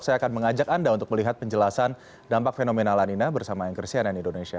saya akan mengajak anda untuk melihat penjelasan dampak fenomena lani nari bersama yang krisian yang indonesia